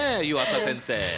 湯浅先生。